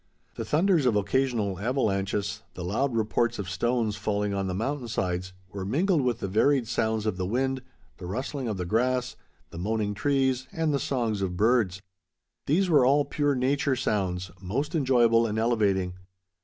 The thunders of occasional avalanches, the loud reports of stones falling on the mountain sides, were mingled with the varied sounds of the wind, the rustling of the grass, the moaning trees, and the songs of birds. These were all pure nature sounds, most enjoyable and elevating.